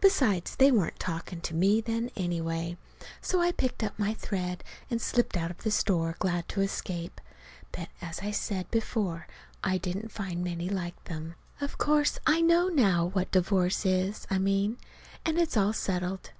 Besides, they weren't talking to me then, anyway. So I picked up my thread and slipped out of the store, glad to escape. But, as I said before, I didn't find many like them. Of course I know now what divorce is, I mean. And it's all settled.